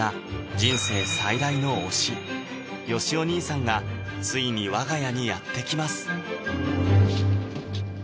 人生最大の推しよしお兄さんがついに我が家にやって来ます